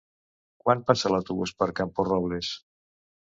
Quan passa l'autobús per Camporrobles?